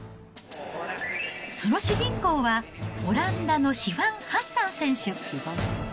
その主人公は、オランダのシファン・ハッサン選手。